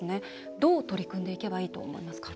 どう取り組んでいけばいいと思いますか？